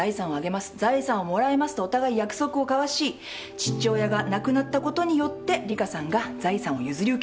「財産をもらいます」とお互い約束を交わし父親が亡くなったことによってリカさんが財産を譲り受けるってこと。